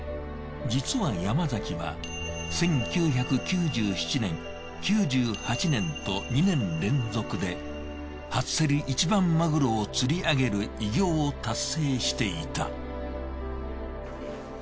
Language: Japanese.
実は山崎は１９９７年９８年と２年連続で初競り１番マグロを釣り上げる偉業を達成していた。